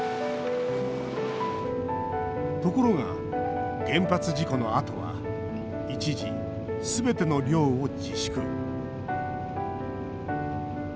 ところが、原発事故のあとは一時、すべての漁を自粛。